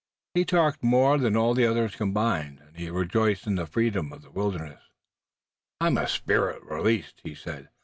He talked more than all the others combined, and he rejoiced in the freedom of the wilderness. "I'm a spirit released," he said.